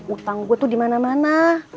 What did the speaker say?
utang gue tuh di mana mana